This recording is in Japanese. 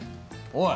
おい！